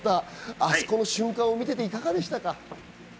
あそこの瞬間、見ていていかがでしたか？